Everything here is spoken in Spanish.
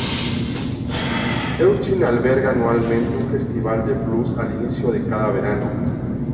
Eutin alberga anualmente un Festival de Blues al inicio de cada verano.